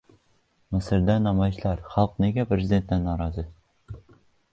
Misrda namoyishlar: xalq nega prezidentdan norozi?